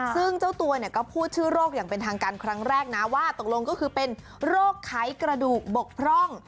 ซึ่งเจ้าตัวเนี่ยก็พูดชื่อโรคอย่างเป็นทางการครั้งแรกนะว่าตกลงก็คือเป็นโรคไขกระดูกบกพร่อง